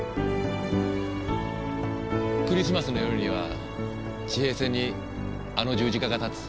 クリスマスの夜には地平線にあの十字架が立つ。